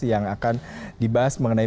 yang akan dibahas mengenai